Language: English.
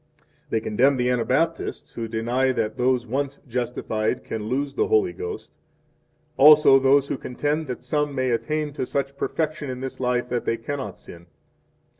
7 They condemn the Anabaptists, who deny that those once justified can lose the Holy Ghost. Also those who contend that some may attain to such 8 perfection in this life that they cannot sin.